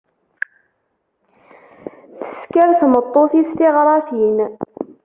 Tesker tmeṭṭut-is tiɣratin.